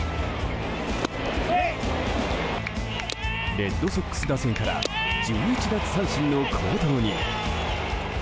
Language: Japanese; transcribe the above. レッドソックス打線から１１奪三振の好投に。